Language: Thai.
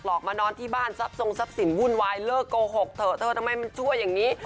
ออกมานอนที่บ้านทรัพย์ทรงทรัพย์สินวุ่นวายเลิกโกหกเถอะเธอทำไมมันช่วยอย่างนี้